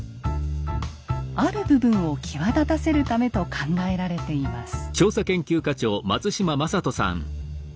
ある部分を際立たせるためと考えられています。